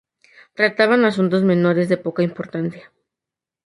Trataban asuntos menores, de poca importancia.